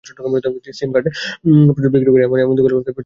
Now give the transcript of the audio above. সিম card বিক্রি করে এমন দোকানগুলো থেকে প্রচুর আঙুলের ছাপ সংগ্রহ করুন।